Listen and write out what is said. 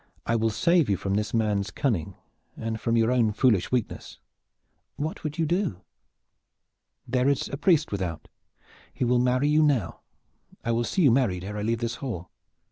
I will save you from this man's cunning and from your own foolish weakness." "What would you do?" "There is a priest without. He will marry you now. I will see you married ere I leave this hall."